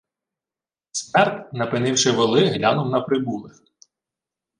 Смерд, напинивши воли, глянув на прибулих.